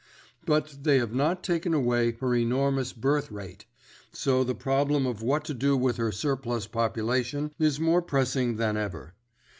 But they have not taken away her enormous birth rate, so the problem of what to do with her surplus population is more pressing than ever.